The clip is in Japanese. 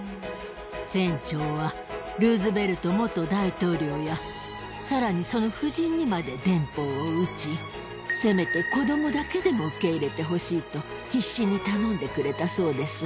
船長はルーズベルト元大統領や、さらにその夫人にまで電報を打ち、せめて子どもだけでも受け入れてほしいと、必死に頼んでくれたそうです。